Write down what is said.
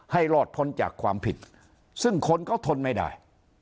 ให้รอดพ้นจากความผิดซึ่งคนก็ทนไม่ได้